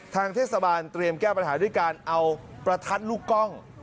ทางเทศบาลเตรียมแก้ปัญหาด้วยการเอาประทัดลูกกล้อง